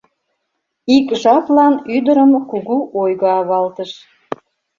Ик жаплан ӱдырым кугу ойго авалтыш.